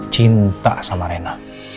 cinta sama rena